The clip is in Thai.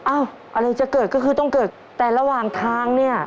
อะไรจะเกิดก็คือต้องเกิดแต่ระหว่างทางเนี่ย